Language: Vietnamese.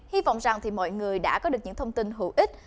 hy vọng rằng mọi người đã có được những thông tin hữu ích